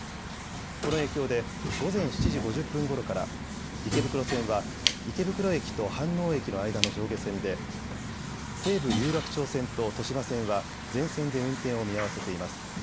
この影響で午前７時５０分ごろから池袋線は池袋駅と飯能駅の間の上下線で、西武有楽町線と豊島線は全線で運転を見合わせています。